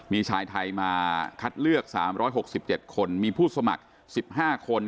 มีชายไทยมาคัดเลือก๓๖๗คนมีผู้สมัคร๑๕คน